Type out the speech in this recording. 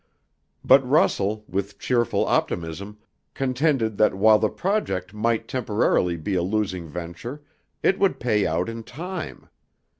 But Russell, with cheerful optimism, contended that while the project might temporarily be a losing venture, it would pay out in time.